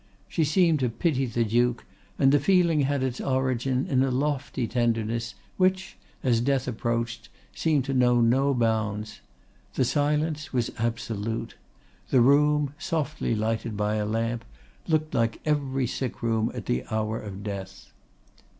She seemed to pity the Duke, and the feeling had its origin in a lofty tenderness which, as death approached, seemed to know no bounds. The silence was absolute. The room, softly lighted by a lamp, looked like every sickroom at the hour of death.